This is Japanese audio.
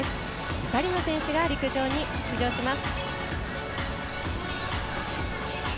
２人の選手が陸上に出場します。